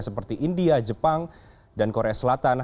seperti india jepang dan korea selatan